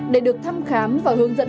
để được thăm khám và hướng dẫn